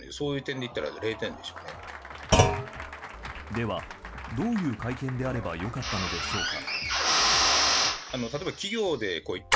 では、どういう会見であればよかったのでしょうか。